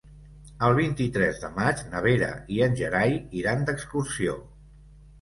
El vint-i-tres de maig na Vera i en Gerai iran d'excursió.